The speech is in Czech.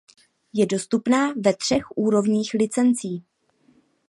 Je dostupná ve třech úrovních licencí.